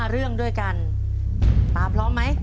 เรื่องด้วยกันตาพร้อมไหม